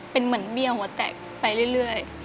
เป็นเหมือนเบี้ยวหัวแตกไปเรื่อย